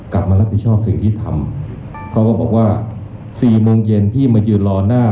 กลับมารับผิดชอบสิ่งที่ทำเขาก็บอกว่าสี่โมงเย็นพี่มายืนรอหน้า